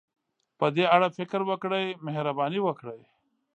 په دې اړه فکر وکړئ، مهرباني وکړئ.